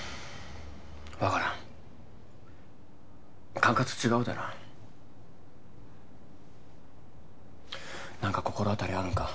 分からん管轄違うでな何か心当たりあるんか？